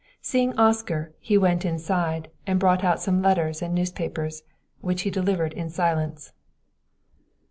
Seeing Oscar, he went inside and brought out some letters and newspapers, which he delivered in silence.